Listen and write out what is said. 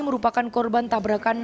merupakan korban tabrakan